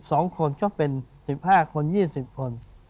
กับ๑๒คนก็เป็น๑๕คน๒๐คน